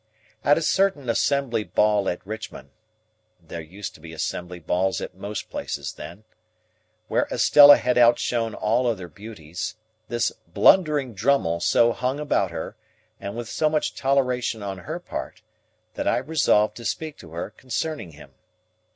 At a certain Assembly Ball at Richmond (there used to be Assembly Balls at most places then), where Estella had outshone all other beauties, this blundering Drummle so hung about her, and with so much toleration on her part, that I resolved to speak to her concerning him.